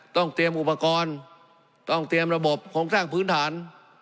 ต้องเตรียมอุปกรณ์ต้องเตรียมระบบโครงสร้างพื้นฐาน